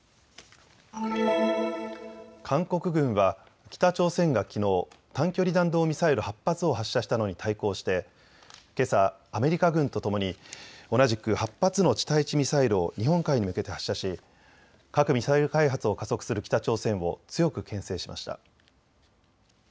韓国軍は、北朝鮮がきのう短距離弾道ミサイル８発を発射したのに対抗してけさアメリカ軍とともに同じく８発の地対地ミサイルを日本海に向けて発射し核・ミサイル開発を加速する北朝鮮を強くけん制しました。